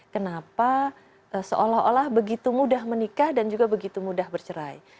kenapa seolah olah begitu mudah menikah dan juga begitu mudah bercerai